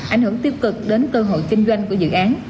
ảnh hưởng tiêu cực đến cơ hội kinh doanh của dự án